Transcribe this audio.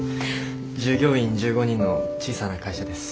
従業員１５人の小さな会社です。